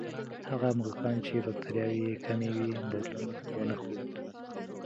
هغه موږکان چې بکتریاوې یې کمې وې، بدلون ونه ښود.